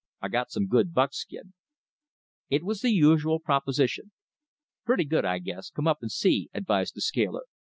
I got some good buckskin." It was the usual proposition. "Pretty good, I guess. Come up and see," advised the scaler.